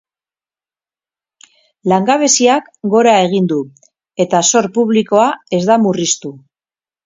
Langabeziak gora egin du, eta zor publikoa ez da murriztu.